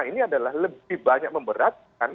ini adalah lebih banyak memberatkan